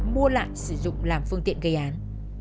mua lại sử dụng làm phương tiện gây án